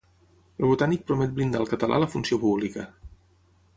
El Botànic promet blindar el català a la funció pública.